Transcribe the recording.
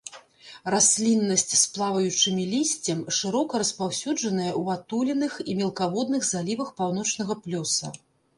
Расліннасць з плаваючымі лісцем шырока распаўсюджаная ў атуленых і мелкаводных залівах паўночнага плёса.